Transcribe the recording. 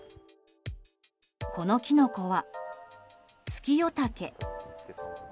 このキノコはツキヨタケ。